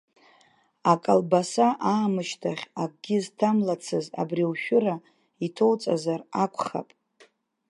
Акалбаса аамышьҭахь акгьы зҭамлацыз абри ушәыра итоуҵазар акәхап?